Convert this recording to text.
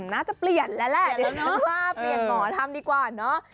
น่าจะเปลี่ยนแล้วแหละเปลี่ยนหรอทำดีกว่าเนอะ